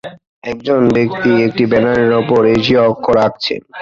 একজন ব্যক্তি একটি ব্যানারের উপর এশীয় অক্ষর আঁকছেন।